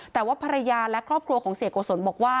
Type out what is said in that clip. แต่ว่าภรรยาและครอบครัวของเสียโกศลบอกว่า